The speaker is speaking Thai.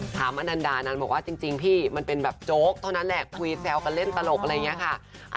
อนันดานั้นบอกว่าจริงพี่มันเป็นแบบโจ๊กเท่านั้นแหละคุยแซวกันเล่นตลกอะไรอย่างนี้ค่ะ